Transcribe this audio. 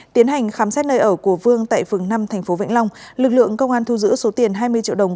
tiến hành khám xét nơi ở của vương tại phường năm tp vĩnh long lực lượng công an thu giữ số tiền hai mươi triệu đồng